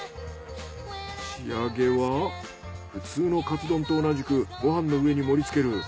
仕上げは普通のカツ丼と同じくご飯の上に盛り付ける